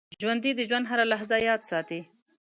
ژوندي د ژوند هره لحظه یاد ساتي